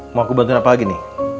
mau aku bantuin apa lagi nih